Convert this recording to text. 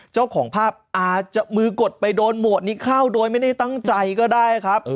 เจ้าของภาพอาจจะมือกดไปโดนหมวดนี้เข้าโดยไม่ได้ตั้งใจก็ได้ครับ